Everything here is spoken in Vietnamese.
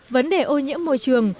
vấn đề ô nhiễm môi trường